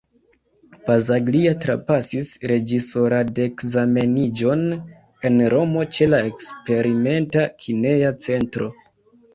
Pazzaglia trapasis reĝisoradekzameniĝon en Romo ĉe la Eksperimenta kineja centro.